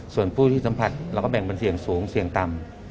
ส่วนผู้ที่สัมผัสเราก็แบ่งเป็นเสี่ยงสูงเสี่ยงต่ำ